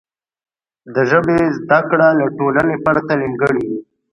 د ژبې زده کړه له ټولنې پرته نیمګړې وي.